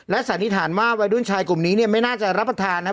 สันนิษฐานว่าวัยรุ่นชายกลุ่มนี้เนี่ยไม่น่าจะรับประทานนะครับ